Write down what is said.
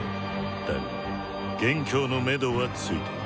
だが元凶の目処はついている」。